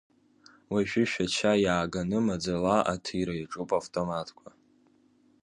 Уажәы Шәача иааганы, маӡала аҭира иаҿуп автоматқәа.